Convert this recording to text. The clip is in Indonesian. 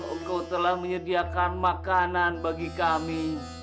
engkau telah menyediakan makanan bagi kami